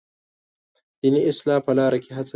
دیني اصلاح په لاره کې هڅه کوي.